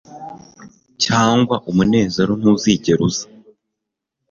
cyangwa umunezero ntuzigera uza